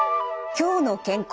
「きょうの健康」